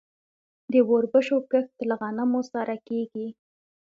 د وربشو کښت له غنمو سره کیږي.